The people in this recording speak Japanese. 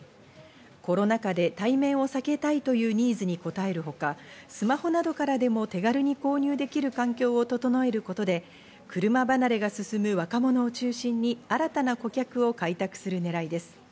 コロナ禍で対面を避けたいというニーズに応えるほか、スマホなどからでも手軽に購入できる環境を整えることで、車離れが進む若者を中心に新たな顧客を開拓する狙いです。